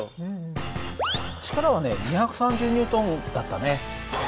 力はね２３０Ｎだったね。